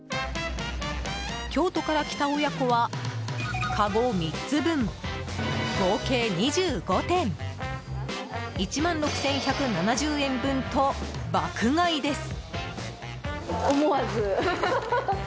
京都から来た親子はかご３つ分、合計２５点１万６１７０円分と爆買いです。